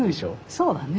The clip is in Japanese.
そうだね。